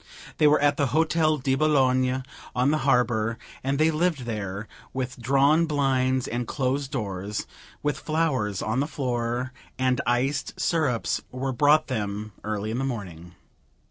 They were at the Hotel de Boulogne, on the harbour; and they lived there, with drawn blinds and closed doors, with flowers on the floor, and iced syrups were brought them early in the morning.